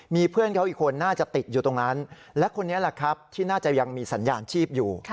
มีเพื่อนเขาอีกคนน่าจะติดอยู่ตรงนั้นและคนนี้แหละครับที่น่าจะยังมีสัญญาณชีพอยู่